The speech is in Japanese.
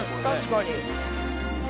確かに。